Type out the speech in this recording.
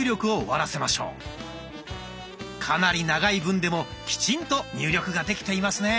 かなり長い文でもきちんと入力ができていますね。